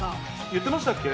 言ってましたっけ？